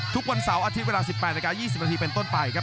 ทุกวันเสาร์อาทิตย์เวลา๑๘นาที๒๐นาทีเป็นต้นไปครับ